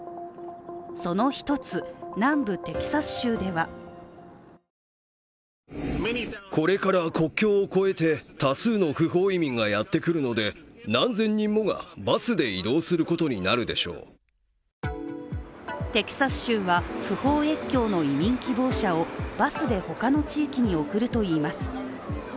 その一つ、南部テキサス州ではテキサス州は、不法越境の移民希望者をバスで他の地域に送るといいます。